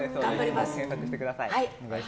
検索してください。